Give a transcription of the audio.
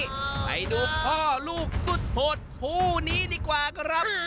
ไปดูพ่อลูกสุดหดคู่นี้ดีกว่าครับ